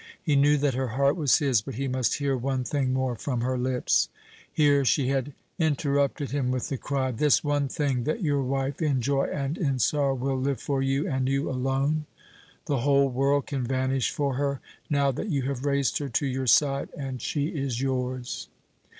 He knew that her heart was his, but he must hear one thing more from her lips Here she had interrupted him with the cry, "This one thing that your wife, in joy and in sorrow, will live for you and you alone? The whole world can vanish for her, now that you have raised her to your side and she is yours."